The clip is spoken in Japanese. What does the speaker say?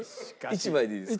１枚でいいですか？